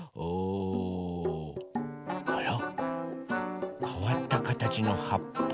あら？かわったかたちのはっぱ。